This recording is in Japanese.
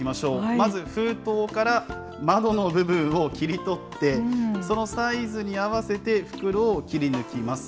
まず封筒から窓の部分を切り取って、そのサイズに合わせて袋を切り抜きます。